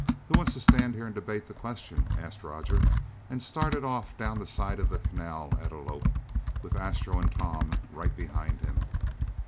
"Who wants to stand here and debate the question?" asked Roger, and started off down the side of the canal at a lope, with Astro and Tom right behind him.